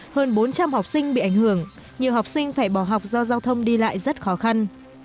hơn bốn trăm linh học sinh bị ảnh hưởng nhiều học sinh phải bỏ học do giao thông đi lại rất khó khăn